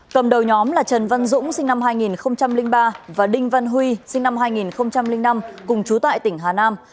cầm đầu nhóm là trần văn dũng sinh năm hai nghìn ba và đinh văn huy sinh năm hai nghìn năm cùng chú tại tỉnh hà nam